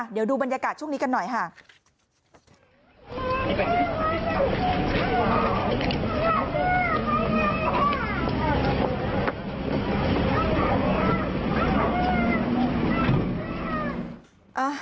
เดี๋ยวดูบรรยากาศช่วงนี้กันหน่อยค่ะ